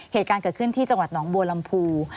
เหตุการณ์เกิดขึ้นที่จังหวัดหนองบัวลำพู